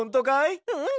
うん！